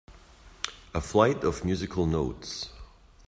A flight of musical notes.